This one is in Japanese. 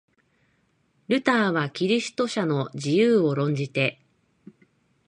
ルターはキリスト者の自由を論じて、